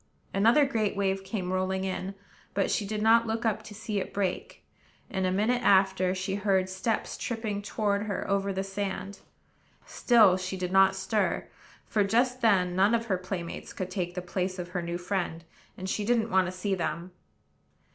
Another great wave came rolling in; but she did not look up to see it break, and, a minute after, she heard steps tripping toward her over the sand. Still she did not stir; for, just then, none of her playmates could take the place of her new friend, and she didn't want to see them.